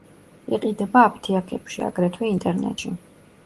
იყიდება აფთიაქებში, აგრეთვე ინტერნეტში.